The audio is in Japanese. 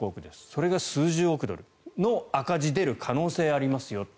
それが数十億ドルの赤字が出る可能性がありますよと。